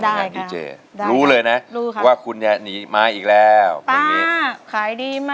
นางเดาเรืองหรือนางแววเดาสิ้นสดหมดสาวกลายเป็นขาวกลับมา